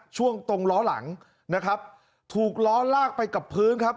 ช่วงตรงล้อหลังนะครับถูกล้อลากไปกับพื้นครับ